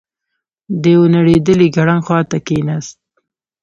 د يوې نړېدلې ګړنګ خواته کېناست.